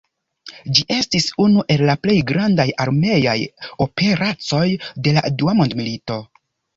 Ĝi estis unu el la plej grandaj armeaj operacoj de la dua mondmilito.